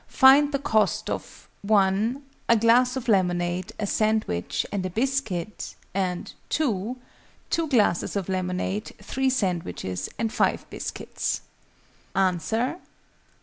_: find the cost of (1) a glass of lemonade, a sandwich, and a biscuit; and (2) 2 glasses of lemonade, 3 sandwiches, and 5 biscuits. _Answer.